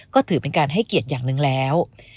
ก็ถือเป็นการให้เกียรติอย่างหนึ่งแล้ว